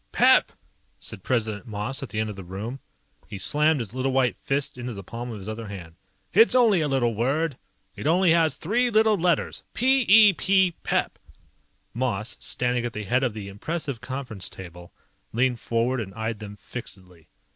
_ "PEP!" said President Moss at the end of the room. He slammed his little white fist into the palm of his other hand. "It's only a little word. It only has three little letters. P E P. Pep!" Moss, standing at the head of the impressive conference table, leaned forward and eyed them fixedly.